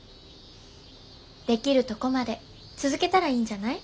できるとこまで続けたらいいんじゃない？